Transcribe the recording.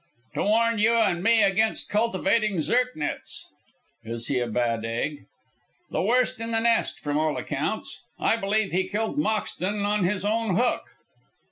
"To warn you and me against cultivating Zirknitz." "Is he a bad egg?" "The worst in the nest, from all accounts. I believe he killed Moxton on his own hook."